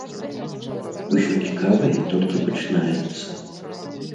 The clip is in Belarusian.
Усё цікавае толькі пачынаецца.